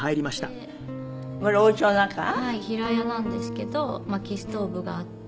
平屋なんですけど薪ストーブがあって。